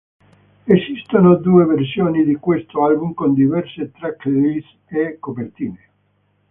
Esistono due versioni di questo album con diverse tracklist e copertine.